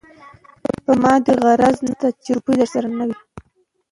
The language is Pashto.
په ما يې غرض نشته که روپۍ درسره نه وي.